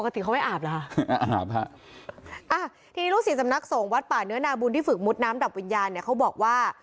ที่นี้ลูกศิษย์จำนักสงวัดป่าเมือนาบุญที่ฝึกมุชน้ำดับวิญญาณเขาบอกว่า